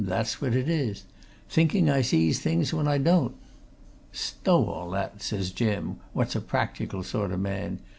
that's what it is. Thinking I sees things when I don't.' 'Stow all that!' says Jim, what's a practical sort o' man.